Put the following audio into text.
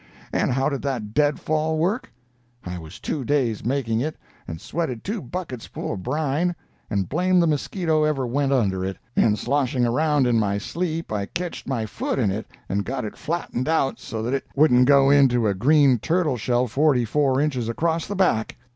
And how did that dead fall work? I was two days making it, and sweated two buckets full of brine, and blame the mosquito ever went under it, and sloshing around in my sleep I ketched my foot in it and got it flattened out so that it wouldn't go into a green turtle shell forty four inches across the back.